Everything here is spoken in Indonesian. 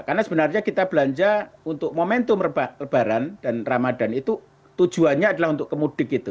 karena sebenarnya kita belanja untuk momentum lebaran dan ramadhan itu tujuannya adalah untuk kemudik itu